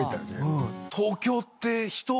うん。